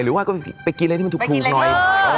หรือว่าไปกินอะไรที่ถูกทุนหน่อย